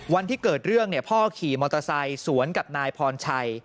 วันที่เกิดเรื่องพ่อขี่มอเตอร์ไซค์สวนกับนายพรชัย